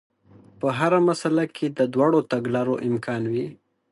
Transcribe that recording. په هره مسئله کې د دواړو تګلارو امکان وي.